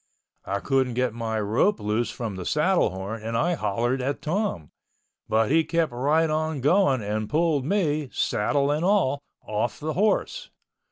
I couldn't get my rope loose from the saddle horn and I hollered at Tom—but he kept right on going and pulled me—saddle and all—off the horse.